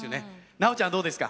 奈央ちゃんはどうですか？